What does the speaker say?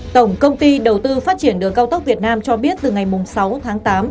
tổng công ty đầu tư phát triển đường cao tốc việt nam cho biết từ ngày sáu tháng tám